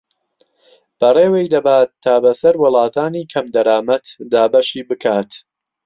بەڕێوەی دەبات تا بەسەر وڵاتانی کەمدەرامەت دابەشی بکات